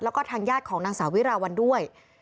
แล้วก็ทางญาติของนางสาววิราวันด้วย